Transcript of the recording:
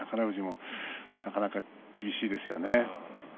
富士もなかなか厳しいですね。